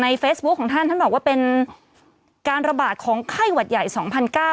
เฟซบุ๊คของท่านท่านบอกว่าเป็นการระบาดของไข้หวัดใหญ่สองพันเก้า